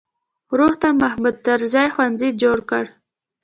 وروسته محمود طرزي ښوونځی جوړ شو.